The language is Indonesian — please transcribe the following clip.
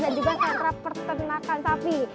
dan juga satra pertenakan sapi